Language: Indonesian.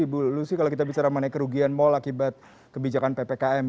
ibu lucy kalau kita bicara mengenai kerugian mal akibat kebijakan ppkm